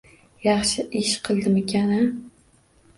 Yaxshi ish qildimikan-a?